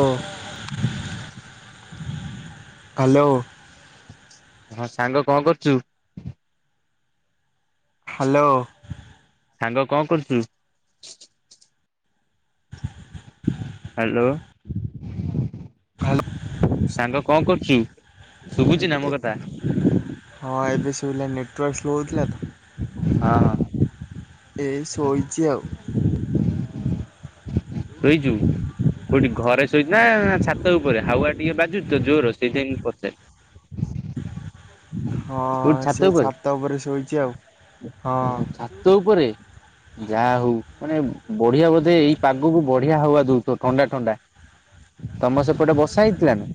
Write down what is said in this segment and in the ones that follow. ଓ [unintelligible] hello. ହଁ ସାଙ୍ଗ କଣ କରୁଚୁ? ହାଲୋ। ସାଙ୍ଗ କଣ କରୁଚୁ? ହାଲୋ, ହ୍ୟାଲୋ ସାଙ୍ଗ କଣ କରୁଚୁ? ଶୁଭୁଚି ନା ମୋ କଥା? ହଁ ଏବେ ଶୁଭିଲା ନେଟ୍ ଟ୍ ୱାର୍କ ସ୍ଲୋ ହୋଇଥିଲା ତ, ହଁ ଏଇ ଶୋଇଚି ଆଉ। ଶୋଇଚୁ? କଉଠି ଘରେ ଶୋଇଚୁ ନା ଛାତ ଉପରେ, ହାୱା ଟିକେ ବାଜୁଚି ତ ଜୋର୍ ସେଇତି ପାଇଁ ମୁଁ ପଚାରିଲି। ହଁ, ସେ ଛାତ ଉପରେ ଶୋଇଚି ଆଉ, ହଁ। ଓହୋ ଛାତ ଉପରେ, ଯାହା ହଉ, ମାନେ ବଢିଆ ବୋଧେ ଏଇ ପାଗ୍ ବଢିଆ ହାୱା ଦଉଥିବ, ଥଣ୍ଡା ଥଣ୍ଡା, ତମ ସେପଟେ ବସା ହେଇଥିଲାନା?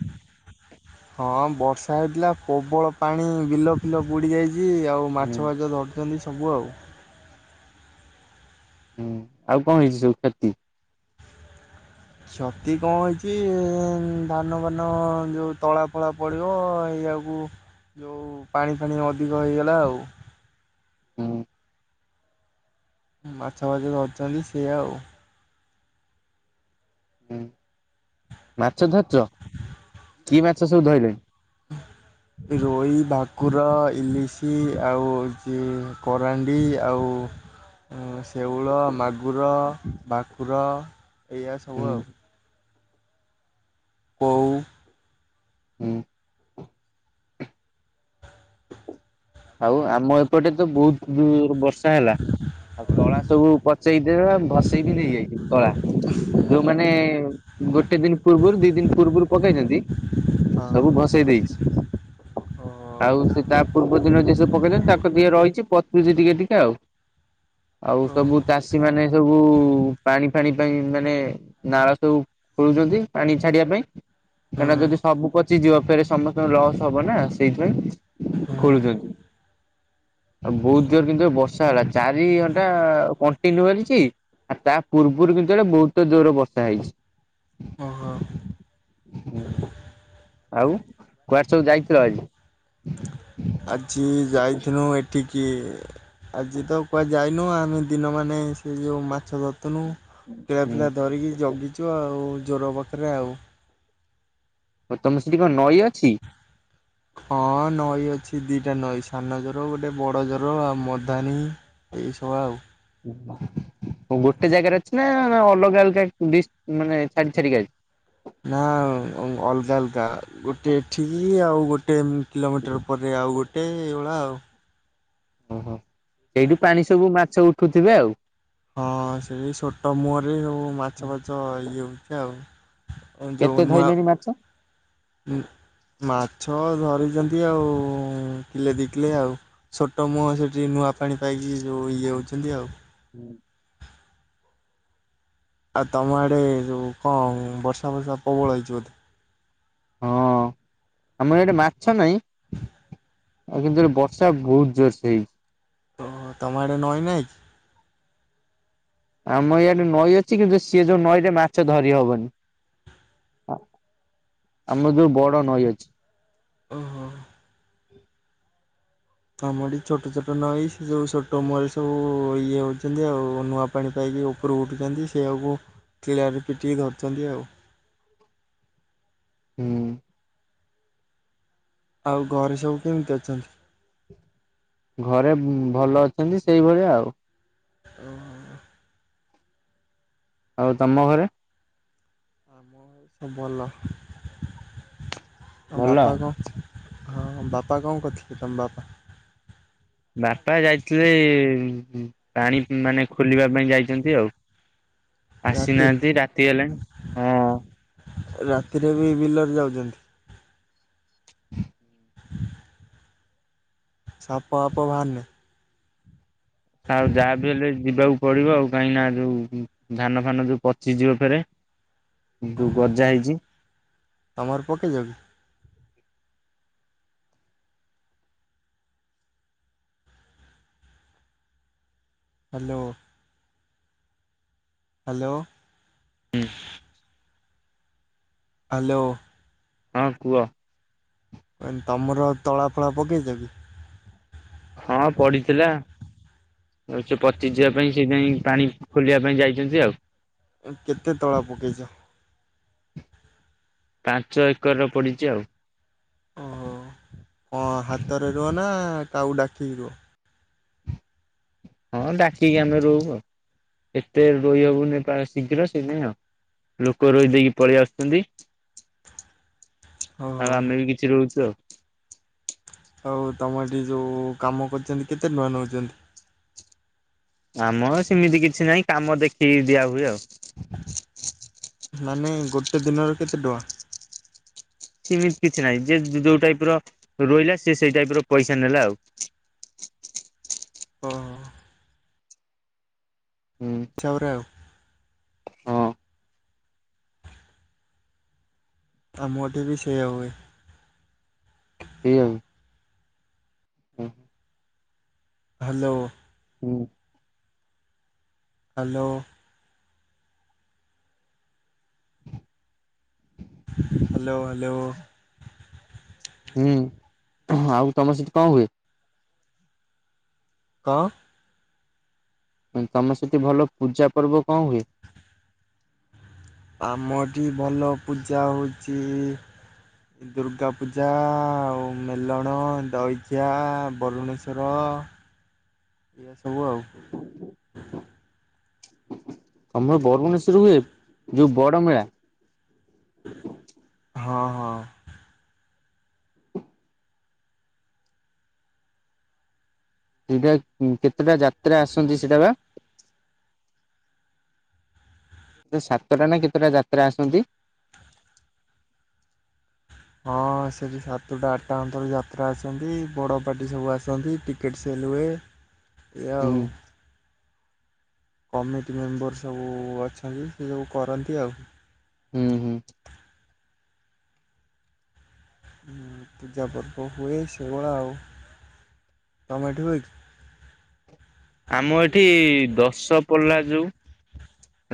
ହଁ ବର୍ଷା ହେଇଥିଲା, ପ୍ରବଳ ପାଣି, ବିଲ ଫିଲ ବୁଡି ଯାଇଚି, ଆଉ ହୁଁ ମାଛ ଫାଚ ଧରି ଚନ୍ତି ସବୁ ଆଉ। ହୁଁ, ଆଉ କଣ ହେଇଚି ସବୁ କ୍ଷତି? କ୍ଷତି କଣ ହେଇଚି, ଧାନ ଫାନ ଯୋଉ ତଳା ଫଳା ପଡିବ, ଏଇଆକୁ କୁ ଯୋଉ ପାଣି ଫାଣି ଅଧିକ ହେଇଗଲା ଆଉ। ହୁଁ ମାଛ ଫାଛ ଧରୁଚନ୍ତି ସିଏ ଆଉ। ଉ ମାଛ ଧରିଚ, କି ମାଛ ସବୁ ଧଇଲଣି? ରୋହି, ଭାକ୍ କୁର, ଇଲିଶି ଆଉ ହଉଚି କରାଣ୍ଡି ଆଉ ଶେଉଳ, ମାଗୁର, ଭାକୁର ଏଇଆ ହୁଁ ସବୁ ଆଉ। କୋଉ। ହୁଁ। ଆଉ ଆମ ଏପଟେ ତ ବହୁତ ଦୂର୍ ବର୍ଷା ହେଲା। ଆଉ ତଳା ସବୁ ପଚେଇଦେଲା, ଭସେଇ ବିି ନେଇଯାଇଚି ତଳା। ଯୋଉମାନେ ଗୋଟେ ଦିନ ପୂର୍ବରୁ, ଦି ଦିନ ପୂର୍ବରୁ ପକେଇଚନ୍ତି ହଁ ସବୁ ଭସେଇ ଦେଇଚି, ଆଉ ହୁଁ ସେ ତା ପୂର୍ବରୁ ସବୁ ପକେଇଚନ୍ତି, ତାଙ୍କର ଟିକିଏ ରହିଚି, ପଚୁଚି ଟିକେ ଟିକେ ଆଉ, ଆଉ ସବୁ ଚାଷୀ ମାନେ ସବୁ, ପାଣି ଫାଣି ପାଇଁ ମାନେ, ନାଳ ସବୁ ଖୋଳୁଚନ୍ତି, ପାଣି ଛାଡିବା ପାଇଁ। କାହିଁକିନା ଯଦି ସବୁ ପଚି ଯିବ, ଫେରେ ସମସ୍ତଙ୍କର ଲସ୍ ହବ ନା, ସେଇଥିପାଇଁ। ହଁ ଖୋଳୁଛନ୍ତି। ଆଉ ବହୁତ ଜୋରେ କିନ୍ତୁ ଏ ବର୍ଷା ହେଲା, ଚାରି ଘଣ୍ଟା କଣ୍ଟିନ୍ୟୁ ହେ [unintelligible] ଆଉ ତା ପୂର୍ବରୁ କିନ୍ତୁ ଏଡେ ବହୁତ ଜୋରେ ବର୍ଷା ହେଇଚି। ଓହୋ। ହୁଁ ଆଉ କୁଆଡେ ସବୁ ଯାଇଥିଲ ଆଜି? ଆଜି ଯାଇଥିନୁ ଏଠିକି ଆଜି ତ କୁହା ଯାଇନୁ, ଆମେ ଦିନ ମାନେ ସେ ଯୋଉ ମାଛ ଧରୁଥୁନୁ। ପିଲା ପିଲା ହୁଁ ଧରିକି ଜଗିଚୁ ଆଉ ଜୋର ପାଖରେ ଆଉ। ଓ ତମର ସେଟି କଣ ନଈ ଅଛି? ହଁ ନଈ ଅଛି ଦି ଟା ନଈ ସାନ ଜୋର ଗୋଟେ ବଡ ଜୋର ଆଉ ମଧାନୀ। ଏଇ ସବୁ ଆଉ। ହୁଁ ଅ ହଁ ଗୋଟେ ଜାଗାରେ ଅଛି ନା ଅଲଗା ଅଲଗା ଉ ଡିସ୍ ମାନେ ଛାଡି ଛାଡିକା ଅଛି? ନା ଉଁ ଅଲଗା ଅଲଗା ଗୋଟେ ଏଠିକି ଆଉ ଗୋଟେ ଉଁ କିଲୋମିଟର ପ ରେ ଆଉ ଗୋଟେ ଏଇ ଭଳିଆ ଆଉ। ଓହୋ ସେଇଠୁ ପାଣି ସବୁ ମାଛ ଉଠୁଥିବେ ଆଉ? ହଁ ସେଇ ଛୋଟ ମୁହରେ ସବୁ ମାଛ ଫାଛ ଇଏ ହଉଚି ଆଉ। ଉଁ ଯୋଉ କେତେ ନୂଆ ଧଇଲେଣି ମାଛ? ଉଁ ମାଛ ଧରିଚନ୍ତି ଆଉ କିଲେ ଦି କିଲେ ଆଉ। ଛୋଟ ମୁହଁ ସେଠି ନୂଆ ପାଣି ପାଇକି ଯୋଉ ଇଏ ହଉଚନ୍ତି ଆଉ। ହୁଁ। ଆଉ ତମ ଆଡ଼େ ଯୋଉ କଣ ବର୍ଷା ବର୍ଷା ପ୍ରବଳ ହେଇଛି ବୋଧେ? ହଁ ଆମର ଏଇଠି ମାଛ ନାଇଁ। ଆଉ କିନ୍ତୁ ଏଇଟି ବର୍ଷା ବହୁତ ଜୋରସେ ହେଇଚି। ଓହୋ ତମ ଆଡେ ନଈ ନାଇଁ କି? ଆମ ଇଆଡେ ନଈ ଅଛି କିନ୍ତୁ ସିଏ ଯୋଉ ନଈ ରେ ମାଛ ଧରି ହବନି। ଅ ଆମର ଯୋଉ ବଡ ନଈ ଅଛି। ଓହୋ। [inaudible] ତମ ଏଠି ଛୋଟ ଛୋଟ ନଈ ସେ ସବୁ ଛୋଟ ମୁହଁରେ ସବୁ ଇଏ ହଉଚନ୍ତି ଆଉ ନୂଆ ପାଣି ପାଇକି ଉ ପରୁକୁ ଉଠୁଚନ୍ତି ସେଇଆକୁ କିଳାରେ ପିଟିକି ଧରୁଚନ୍ତି ଆଉ। ହୁଁ। ଆଉ ଘରେ ସବୁ କେମିତି ଅଛନ୍ତି? ଘରେ ଉ ଭଲ ଅଛନ୍ତି ସେଇଭଳିଆ ଆଉ। ଓହୋ। ଆଉ ତମ ଘରେ? ଆମ ଘରେ ସବୁ ଭଲ ଆଉ ଭଲ? ବାପା କଣ ହଁ ହଁ ବାପା କଣ କରୁଥିଲେ ତମ ବାପା? ବାପା ଯାଇଥିଲେ ଉଁ ପାଣି ଉଁ ମାନେ ଖୋଲିବା ପାଇଁ ଯାଇଚନ୍ତି ଆଉ। ରାତିରେ ଆସିନାହାନ୍ତି ରାତି ହେଲାଣି ହଁ। ରାତିରେ ବି ବିଲରେ ଯାଉଚନ୍ତି? [inaudible] ସାପ ଫାପ ବାହାରୁନି? ଆଉ ଯାହା ବିି ହେଲେ ଯିବାକୁ ପଡିବ ଆଉ କାହିଁକିନା ଯୋଉ ଉଁ ଧାନ ଫାନ ଯୋଉ ପଚିଯିବ ଫେରେ। ଉଁ ଯୋଉ ଓହୋ ଗଜା ହେଇଚି। ତମର ପକେଇଚ କି? ହାଲୋ। ହାଲୋ। ହୁଁ। ହାଲୋ। ହଁ କୁହ। କହିଲି ତମର ତଳା ଫଳା ପକେଇଚ କି? ହଁ ପଡିିଥିଲା। ଆଉ ସେ ପଚି ଯିବା ପାଇଁ ସେ ଯାଇଁ ପାଣି ଖୋଲିବା ପାଇଁ ଯାଇଛନ୍ତି ଆଉ। କେତେ ତଳା ପକେଇଛ। ପାଞ୍ଚ ଏକରର ପଡିଛି ଆଉ। କଣ ହାତରେ ରୁଅ ନା କାହାକୁ ଡାକିକି ରୁଅ। ହଁ, ଡାକିକି ଆମେ ରୋଉ ଆଉ। ଏତେ ରୋଇ ହବନି ପ୍ରାୟ ଶୀଘ୍ର ସେଇଥିପାଇଁ ଆଉ। ଲୋକ ରୋଇ ଦେଇକି ପଳେଇ ଆସୁଛନ୍ତି। ହଉ। ଆଉ ହଉ। ଆମେ ବି କିଛି ରୋଉଚୁ ଆଉ। ଆଉ ତମ ଏଠି ଯୋଉ କାମ କରୁଛନ୍ତି କେତେ ଟଙ୍କା ନଉଛନ୍ତି। ଆମର ସେମିତି କିଛି ନାହିଁ, କାମ ଦେଖିକି ଦିଆ ହୁଏ ଆଉ। ମାନେ ଗୋଟେ ଦିନର କେତେ ଟଙ୍କା? ସେମିତି କିଛି ନାହିଁ, ଯିଏ ଯୋଉ ଟାଇପ୍ ର ରୋଇଲା ସିଏ ସେଇ ଟାଇପ୍ ର ପଇସା ନେଲା ଆଉ। ଓହୋ। ହୁଁ। ଯଛଉରାଉ ହଁ ଆମଏଠି ବି ସେଇଆ ହୁଏ। ସେଠିକ୍ା ହ୍ୟାଲୋ। ହୁଁ ହ୍ୟାଲୋ। Hello, hello. ହୁଁ, ଆଉ ତମ ସେଠି କଣ ହୁଏ? କଣ? ତମ ସେଠି ଭଲ ପୂଜା ପର୍ବ କଣ ହୁଏ? ଆମ ଏଠି ଭଲ ପୂଜା ହଉଚି ଦୁର୍ଗାପୂଜା ଆଉ ମେଲଣ, ଦଇଖିଆ, ବରୁଣେଶ୍ୱର। ଏଇଆ ସବୁ ଆଉ। ତମର ବରୁଣେଶ୍ୱର ହୁଏ, ଯୋଉ ବଡ ମେଳା। ହଁ ହଁ। ସେଟା କେତେଟା ଯାତ୍ରା ଆସନ୍ତି ସେଟା ବା। ସାତଟା ନା କେତେଟା ଯାତ୍ରା ଆସନ୍ତି। ହଁ ସେଠି ସାତଟା ଆଠଟା ଅନ୍ତର ଯାତ୍ରା ଆସନ୍ତି ବଡ ପାଟି ସବୁ ଆସନ୍ତି। ଟିକେଟ୍ ସେଲ୍ ହୁଏ ଏଇଆ ହୁଁ ଆଉ। କମିଟି ମେମ୍ବର ସବୁ ଅଛନ୍ତି, ସେ ସବୁ କରନ୍ତି ଆଉ। ହୁଁ ହୁଁ। ପୂଜା ପର୍ବ ହୁଏ ସେଇଭଳିଆ ଆଉ। ତମହେଠି ହୁଏ କି? ଆମ ଏଠି ଦଶପଲ୍ଲା ଯୋଉ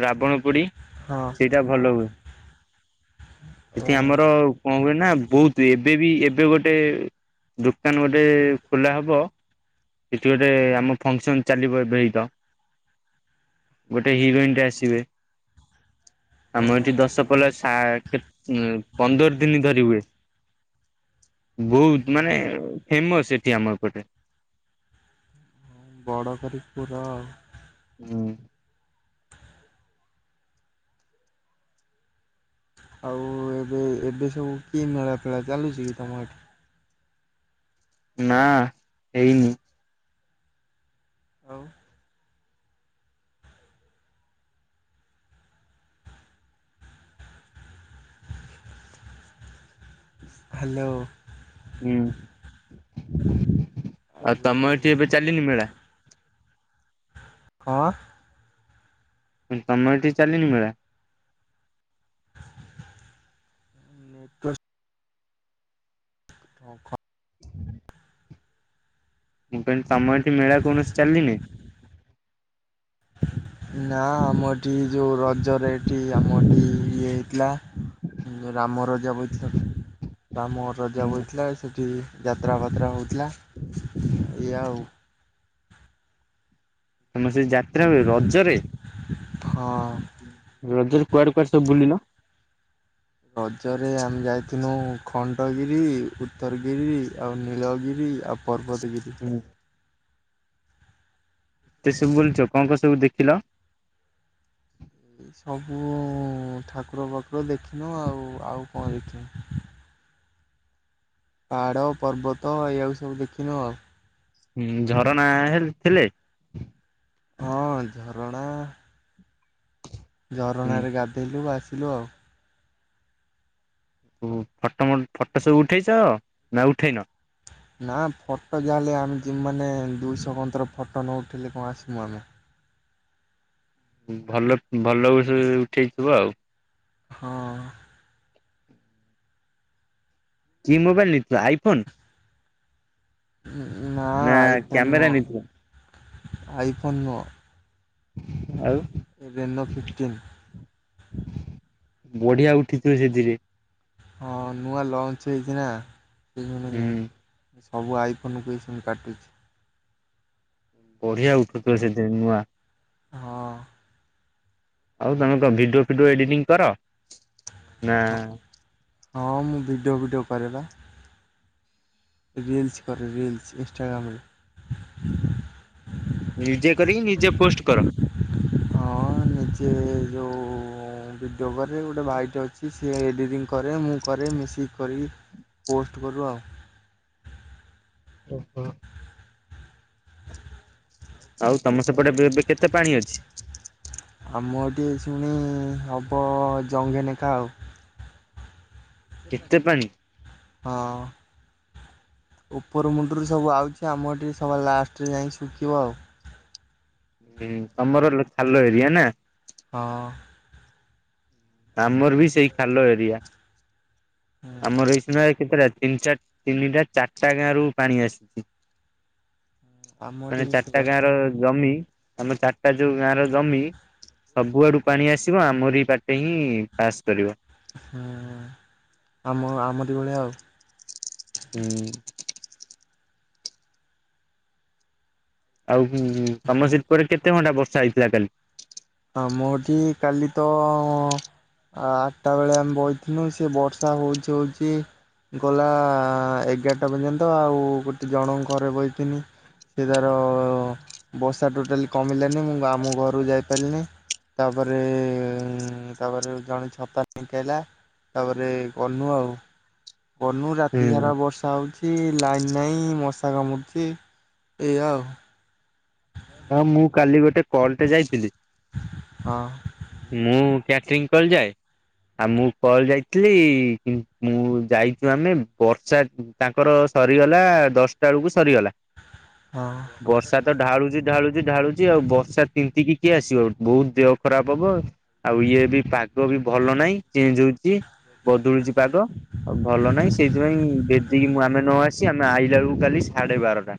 ରାବଣ ପୋଡି। ହଁ। ସେଇଟା ଭଲ ହୁଏ। ହୁଁ ଏଠି ଆମର କଣ କହିକି ନା ବହୁତ ଏବେ ବି ଏବେ ଗୋଟେ ଦୋକାନ ଗୋଟେ ଖୋଲା ହବ। ଏଠି ଗୋଟେ ଆମ ଫଙ୍କସନ୍ ଚାଲିବ ଏବେ ହିଁ ତ। ଗୋଟେ ହିରୋଇନଟେ ଆସିବେ ଆମ ଓହୋ ଏଠି ଦଶପଲ୍ଲା ସା ଉଁ ପନ୍ଦର ଦିନ ଧରି ହୁଏ। ବହୁତ ମାନେ ଫେମସ ଏଠି ଆମର ପଟେ। ବଡ଼ କରିପୁର। ହୁଁ। ଆଉ ଏବେ ଏବେ ସବୁ କିଏ ମେଳା ଫେଳା ଚାଲୁଛି କି ତମର ସେ ନା ହେଇନି। ଆଉ। ହ୍ୟାଲୋ। ହୁଁ ଆଉ ତମ ଏଠି ଏବେ ଚାଲିନି ମେଳା? ହଁ। ତମର ଏଠି ଚାଲିନି ମେଳା? [inaudible] ହଁ [inaudible] ମୁଁ କିହିଲି ତମର ସେଠି ମେଳା କୌଣସି ଚାଲିନି? ନା ଆମଠି ଯୋଉ ରଜରେ ଏଠି ଆମଠି ଇଏ ହେଇଥିଲା। ରାମ ରଜା ବୈଠକ। ବାମ ରଜା ବହିଥିଲା ସେଠି ଯାତ୍ରା ପାତ୍ରା ହଉଥିଲା। ୟା ଆଉ। ତମର ସେ ଯାତ୍ରା ହୁଏ ରଜରେ? ହଁ। ରଜରେ କୁଆଡେ କୁଆଡେ ସବୁ ବୁଲିଲ? ରଜରେ ଆମେ ଯାଇଥିଲୁ ଖଣ୍ଡଗିରି ଉତ୍ତରଗିରି ଆଉ ନୀଳଗିରି ଆଉ। ପର୍ବତଗିରି। ହୁଁ ଏତେ ସବୁ ବୁଲିଛ। କଣ କଣ ସବୁ ଦେଖିଲ? ସବୁ ଠାକୁର ପାକୁର ଦେଖିନ ଆଉ। ଆଉ କଣ ଦେଖିନି? ପାହାଡ଼ ପର୍ବତ ଏଇଆଉ ସବୁ ଦେଖିନୁ ଆଉ। ହୁଁ ଝରଣା ହେ ଥିଲେ? ହଁ ଝରଣା। ଝରଣାରେ ଗାଧେଇଲୁ ଆସିଲୁ ଆଉ। ଫଟୋ ମୋ ଫଟୋ ସବୁ ଉଠେଇଛ ନା ଉଠେଇନ? ନା ଫଟୋ ଯାହା ହେଲେ ଆମେ ଯେଉମାନେ ଦୁଇଶହଙ୍କନ୍ତର ଫଟୋ ନ ଉଠିଲେ କଣ ଆସିବୁ ଆମେ। ଭଲ ଭଲ ଉଠେଇଥିବ ଆଉ। ହଁ। କି ମୋବାଇଲ ନେଇଥିଲ? ଆଇଫୋନ୍। ନା ଆଇ ଫୋନ କ୍ୟାମେରା ନେଇଥିଲ ନୁହଁ ଆଇ ଫୋନ ନୁହଁ। ଆଉ। ରେନୁ ଫିଫ୍ଟନ୍। [unintelligible] ବଢିଆ ଉଠିିଥିବ ସେଥିରେ। ହଁ ନୂଆ ଲଞ୍ଚ ହେଇଚି ନା? ହୁଁ [unintelligible] ସବୁ ଆଇଫୋନକୁ ଏ ସେମ କାଟୁଛି। ବଢିଆ ଉଠୁଥିବ ସେଥିରେ ନୂଆ। ହଁ। ଆଉ ତମେ କଣ ଭିଡିଓ ଫିଡିଓ ଏଡିଟିଂ କର? ନା ହଁ ମୁଁ ଭିଡ଼ିଓ ଭିଡ଼ିଓ କରେ ବା। ରିଲ୍ସସି କରନି ଇଷ୍ଟାଗ୍ରାମରେ। ନିଜେ କରି ନିଜେ ପ୍ ହ [unintelligible] [inaudible] ଆ ନିଜେ ଯୋଉ ଭିଡ଼ିଓ କରିକି ଗୋଟେ ଭାଇଟେ ଅଛି ସିଏ ଏଡ଼ିଟିଙ୍ଗ କରେ ମୁଁ କରେ ମିଶିକି କରିବି ପୋଷ୍ଟ କରୁ ଆଉ। ଓହୋ। ଆଉ ତମ ସେପଟେ ଏବେ ଏବେ କେତେ ପାଣି ଅଛି? ଆମର ଏଠି ଅଛି ମାନେ ହେବ ଜଂଘେ ନେଖା ଆଉ। କେତେ ପାଣି? ହଁ ଉପର ମୁଣ୍ଡରୁ ସବୁ ଆଉଛି ଆମର ଏଠି ସବା ଲାଷ୍ଟରେ ଯାଇକି ଶୁଖିବ ଆଉ। ହୁଁ ତମର ଖାଲ ଏରିଆ ନା। ହଁ। ଆମର ବି ସେଇ ଖାଲ ଏରିଆ ହଁ ଆମର ଏଇ ସିନା କେତେଟା ତିନି ଚାରି ତିନିଟା ଚାରିଟା ଗାଁ ରୁ ପାଣି ଆସିଛି। ଆମ ଏଠି ମାନେ ବି ଚାରିଟା ସେଇଆ ଗାଁ ର ଜମି ଆମ ଚାରିଟା ଯୋଉ ଗାଁ ର ଜମି ସବୁଆଡୁ ପାଣି ଆସିବ ଆମରି ପଟେ ହିଁ ପାସ୍ କରିବ। ହୁଁ ଆମ -ଆମରି ଭଳିଆ ଆଉ। ହୁଁ। ଆଉ ହୁଁ ହିଁ ତମର ସେପଟେ କେତେ ଘଣ୍ଟା ବର୍ଷା ହେଇଥିଲା କାଲି? ଆମଠି କାଲି ତ ଆ ଆଠଟା ବେଳେ ଆମେ ବସିଥିଲୁ ସେ ବର୍ଷା ହଉଛି ହଉଛି। ଗଲା ଏଗାରଟା ପର୍ଯ୍ୟନ୍ତ ଆଉ ଗୋଟେ ଜଣଙ୍କ ଘରେ ବସିଥିନି। ସେ ତାର ବର୍ଷା ଟୋଟାଲି କମିଲାନି ମୁଁ ଆମ ଘରକୁ ଯାଇ ପାରିଲିନି ତାପରେ -ତାପରେ ଜଣେ ଛତା ନେଇକି ଆଇଲା। ତାପରେ ଗନୁ ଆଉ ଗନୁ ରାତି ସାରା ହୁଁ ବର୍ଷ ହେଉଛି ଲାଇନ୍ ନାହିଁ ମଶା କାମୁଡିଛି ଏଇଆ ଆଉ। ନା ମୁଁ କାଲି ଗୋଟେ କଲଟେ ଯାଇଥିଲି। ହଁ। ମୁଁ ବ୍ୟାଟ୍ରର୍ଙ୍ଗି କରିଯାଏ। ଆଉ ମୁଁ କଲ ଯାଇଥିଲି ମୁଁ ଯାଇଛି ମାନେ ବର୍ଷା ତାଙ୍କର ସରିଗଲା ଦଶଟା ବେଳକୁ ସରିଗଲା। ହଁ। ବର୍ଷା ତ ଢାଳୁଛି ଢାଳୁଛି ଢାଳୁଛି ଆଉ ବର୍ଷା ତିନ୍ତିକି କିଏ ଆସିବ ବହୁତ ଦେହ ଖରାପ ହେବ। ଆଉ ଇଏ ବି ପାକ ପାଗ ବି ଭଲ ନାହିଁ ଚେଞ୍ଜ ହଉଛି ବଦଳୁଛି ପାଗ ଆଉ ଭଲ ନାହିଁ। ହଁ। ସେଇଥିପାଇଁ ବେଗି ନ ଆସି ଆମେ ଆଇଲା ବେଳକୁ କାଲି ସାଢ଼େ ବାରଟା।